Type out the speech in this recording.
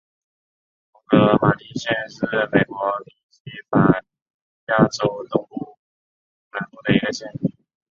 蒙哥马利县是美国宾夕法尼亚州东南部的一个县。